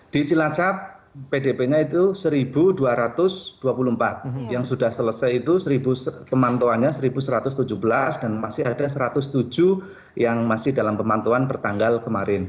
di cilacap pdp nya itu satu dua ratus dua puluh empat yang sudah selesai itu pemantuannya satu satu ratus tujuh belas dan masih ada satu ratus tujuh yang masih dalam pemantauan bertanggal kemarin